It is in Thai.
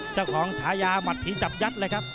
เจ้าของชายาหมัดผีจับยัด